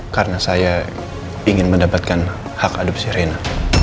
karena saya ingin mendapatkan hak adopsi rina